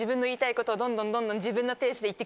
どんどん。